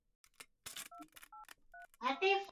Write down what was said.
Tarakilishi ni furaha tele